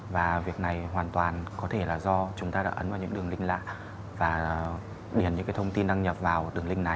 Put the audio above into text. và việc này hoàn toàn có thể là do chúng ta đã ấn vào những đường linh lạ và điền những cái thông tin đăng nhập vào đường link này